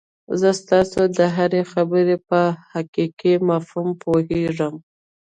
زه ستاسو د هرې خبرې په حقيقي مفهوم پوهېږم.